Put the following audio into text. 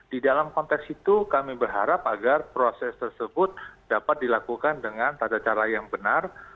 di dalam konteks itu kami berharap agar proses tersebut dapat dilakukan dengan tata cara yang benar